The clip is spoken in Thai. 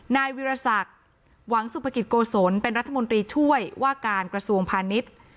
นายวิรสักหวังสุภกิจโกศลเป็นรัฐมนตรีช่วยว่าการกระทรวงพาณิชย์